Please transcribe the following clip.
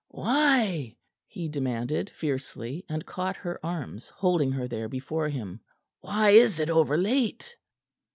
"Why?" he demanded fiercely, and caught her arms, holding her there before him. "Why is it overlate?"